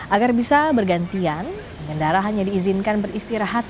agar bisa bergantian pengendara hanya diizinkan beristirahat